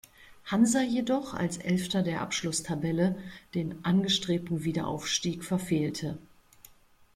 Hansa jedoch als elfter der Abschlusstabelle den angestrebten Wiederaufstieg verfehlte.